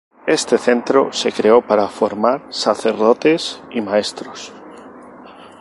Este centro se creó para formar sacerdotes y maestros.